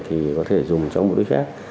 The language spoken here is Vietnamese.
thì có thể dùng cho mục đích khác